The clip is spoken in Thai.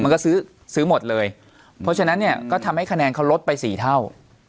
มันก็ซื้อซื้อหมดเลยเพราะฉะนั้นเนี่ยก็ทำให้คะแนนเขาลดไปสี่เท่า